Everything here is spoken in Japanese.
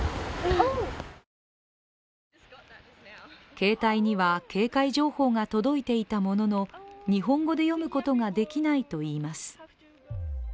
携帯には警戒情報が届いていたものの日本語で読むことができないといいます。